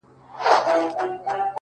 وايي اوس مړ يمه چي مړ سمه ژوندی به سمه!